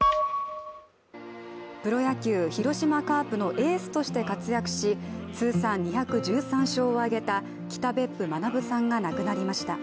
プロ野球・広島カープのエースとして活躍し通算２１３勝を挙げた北別府学さんが亡くなりました。